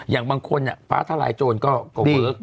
อย่างบางคนฟ้าทลายโจรก็เวิร์ค